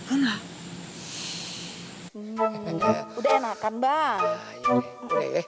udah enakan bang